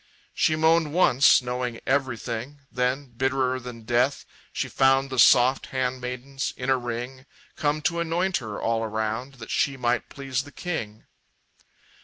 She moaned once, knowing everything; Then, bitterer than death, she found The soft handmaidens, in a ring, Come to anoint her, all around, That she might please the king.